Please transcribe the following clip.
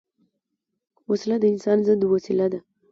وسله د انسان ضد وسیله ده